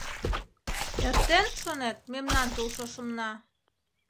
Эртен, шонет, мемнан тул шошымна?